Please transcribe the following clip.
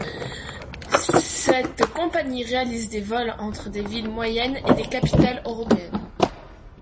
Cette compagnie réalise des vols entre des villes moyennes et des capitales européennes.